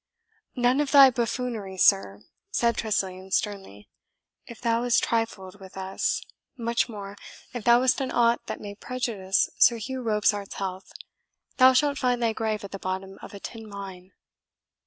"None of thy buffoonery, sir," said Tressilian sternly. "If thou hast trifled with us much more, if thou hast done aught that may prejudice Sir Hugh Robsart's health, thou shalt find thy grave at the bottom of a tin mine."